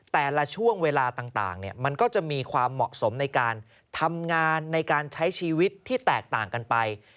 แต่ละช่วงเวลาต่างมันก็จะมีความเหมาะสมในการทำงานในการใช้ชีวิตที่แตกต่างกันไป